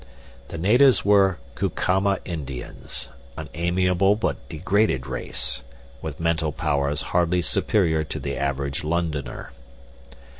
The natives were Cucama Indians, an amiable but degraded race, with mental powers hardly superior to the average Londoner.